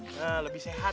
nah lebih sehat